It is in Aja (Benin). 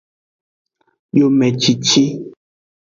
Yumecici.